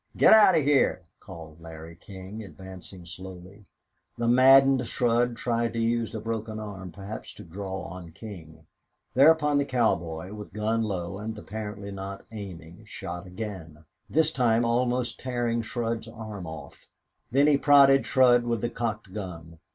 "Get out of heah!" called Larry King, advancing slowly. The maddened Shurd tried to use the broken arm, perhaps to draw on King. Thereupon the cowboy, with gun low and apparently not aiming, shot again, this time almost tearing Shurd's arm off. Then he prodded Shurd with the cocked gun.